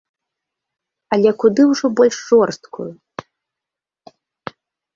Але куды ўжо больш жорсткую.